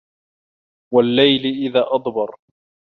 وَاللَّيلِ إِذ أَدبَرَ